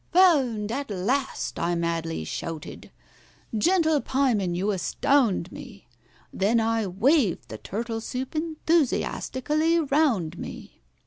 — "Found at last!" I madly shouted. "Gentle pieman, you astound me!" Then I waved the turtle soup enthusiastically round me.